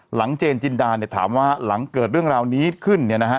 หลังเจนจินดาถามว่าหลังเกิดเรื่องราวนี้ขึ้น